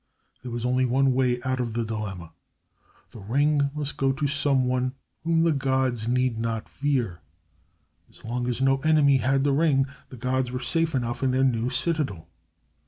There was only one way out of the dilemma. The ring must go to someone whom the gods need not fear. As long as no enemy had the ring, the gods were safe enough in their new citadel.